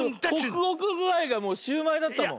ホクホクぐあいがもうシューマイだったもん。